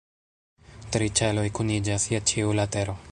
Tri ĉeloj kuniĝas je ĉiu latero.